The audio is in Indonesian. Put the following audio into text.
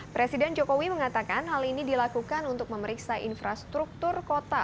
presiden jokowi mengatakan hal ini dilakukan untuk memeriksa infrastruktur kota